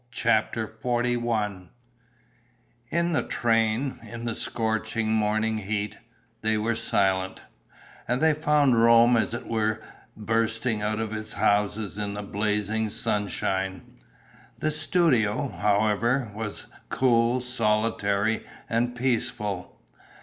CHAPTER XLI In the train, in the scorching morning heat, they were silent; and they found Rome as it were bursting out of its houses in the blazing sunshine. The studio, however, was cool, solitary and peaceful.